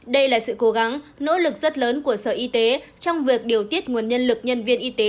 đây là sự cố gắng nỗ lực rất lớn của sở y tế trong việc điều tiết nguồn nhân lực nhân viên y tế